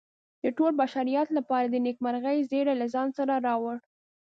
د ټول بشریت لپاره یې د نیکمرغۍ زیری له ځان سره راوړ.